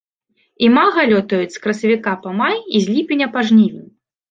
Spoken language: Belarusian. Імага лётаюць з красавіка па май і з ліпеня па жнівень.